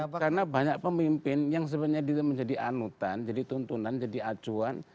karena banyak pemimpin yang sebenarnya dia menjadi anutan jadi tuntunan jadi acuan